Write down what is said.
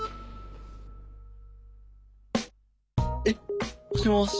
えっ！もしもし。